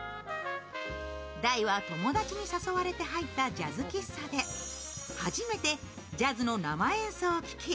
大は友達に誘われて入ったジャズ喫茶で初めてジャズの生演奏を聴き